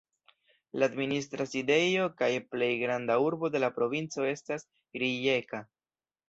La administra sidejo kaj plej granda urbo de la provinco estas Rijeka.